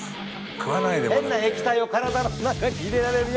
変な液体を体の中に入れられるよ。